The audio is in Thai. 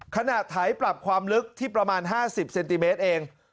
ไถปรับความลึกที่ประมาณ๕๐เซนติเมตรเอง